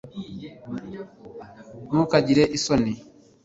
ntukagire isoni